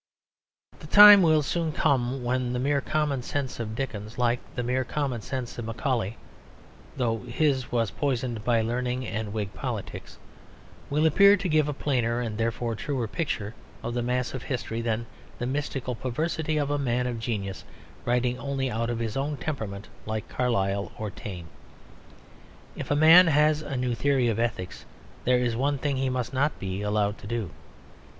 The time will soon come when the mere common sense of Dickens, like the mere common sense of Macaulay (though his was poisoned by learning and Whig politics), will appear to give a plainer and therefore truer picture of the mass of history than the mystical perversity of a man of genius writing only out of his own temperament, like Carlyle or Taine. If a man has a new theory of ethics there is one thing he must not be allowed to do.